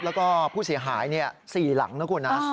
แล้วก็ผู้เสียหายเนี่ยสี่หลังนะคุณนะ